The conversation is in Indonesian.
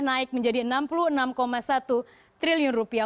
naik menjadi enam puluh enam satu triliun rupiah